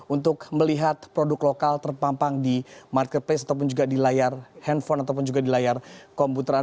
untuk melihat produk lokal terpampang di marketplace ataupun juga di layar handphone ataupun juga di layar komputer